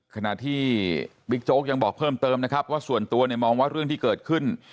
ขณะที่บิ๊กโจ๊กยังบอกเพิ่มเติมนะครับว่าส่วนตัวเนี่ยมองว่าเรื่องที่เกิดขึ้น